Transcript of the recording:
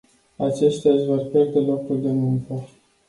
Aceștia își vor pierde locul de muncă.